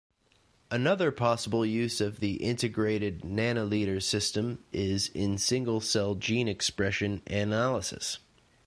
Another possible use of the integrated nanoliter system is in single-cell gene expression analysis.